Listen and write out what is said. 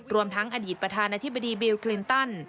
รวมทั้งอดีตประธานาธิบดีบิลคลินตัน